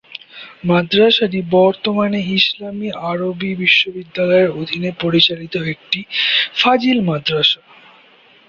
মাদ্রাসাটি বর্তমানে ইসলামি আরবি বিশ্ববিদ্যালয়ের অধীনে পরিচালিত একটি ফাজিল মাদ্রাসা।